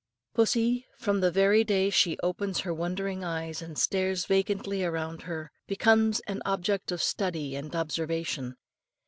Pussy, from the very day she opens her wondering eyes and stares vacantly around her, becomes an object worthy of study and observation.